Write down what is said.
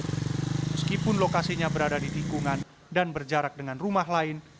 meskipun lokasinya berada di tikungan dan berjarak dengan rumah lain